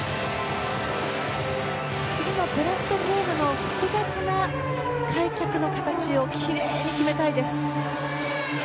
プラットフォームの複雑な開脚の形をきれいに決めたいです。